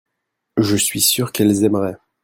je suis sûr qu'elles aimeraient.